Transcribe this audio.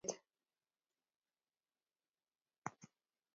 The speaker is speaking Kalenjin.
Aibchini kame robinik che kang'etu eng' duket